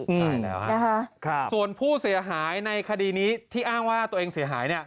ง่ายแล้วนะคะส่วนผู้เสียหายในคดีนี้ที่อ้างว่าตัวเองเสียหายเนี่ย